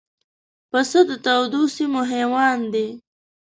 پسه د تودو سیمو حیوان دی.